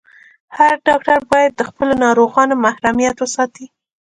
هر ډاکټر باید د خپلو ناروغانو محرميت وساتي.